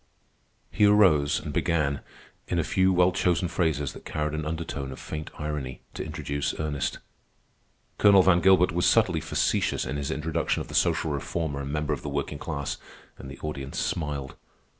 He arose and began, in a few well chosen phrases that carried an undertone of faint irony, to introduce Ernest. Colonel Van Gilbert was subtly facetious in his introduction of the social reformer and member of the working class, and the audience smiled.